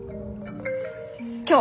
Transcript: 今日！